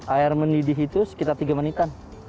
air mendidih itu sekitar tiga menitan